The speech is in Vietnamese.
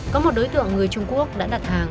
có một đối tượng người trung quốc đã đặt hàng